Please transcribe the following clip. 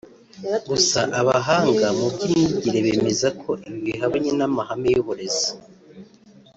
Gusa abahanga mu by’imyigire bemeza ko ibi bihabanye n’amahame y’uburezi